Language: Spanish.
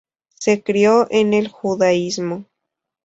Se crio en el judaísmo.